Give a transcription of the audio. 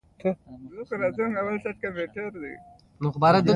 چای د ادبي مجلس خوند دی